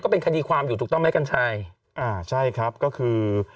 เป็นคดีความอยู่ถูกต้องไหมกัญชัยอ่าใช่ครับก็คือ